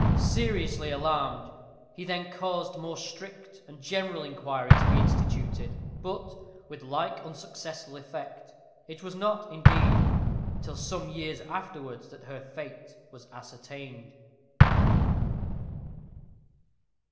Seriously alarmed, he then caused more strict and general inquiry to be instituted, but with like unsuccessful effect. It was not, indeed, till some years afterwards that her fate was ascertained.